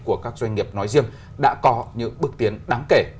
của các doanh nghiệp nói riêng đã có những bước tiến đáng kể